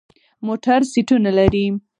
موټر سیټونه لري.